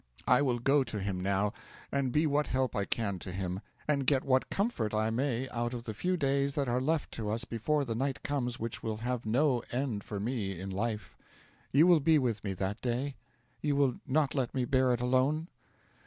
I will go to him now, and be what help I can to him, and get what comfort I may out of the few days that are left to us before the night comes which will have no end for me in life. You will be with me that day? You will not let me bear it alone?'